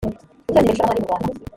guteza imbere ishoramari mu rwanda